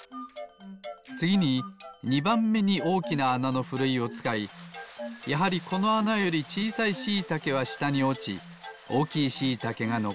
つぎに２ばんめにおおきなあなのふるいをつかいやはりこのあなよりちいさいしいたけはしたにおちおおきいしいたけがのこります。